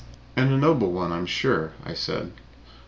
"And a noble one, I'm sure," I said.